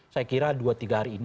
saya kira dua tiga hari ini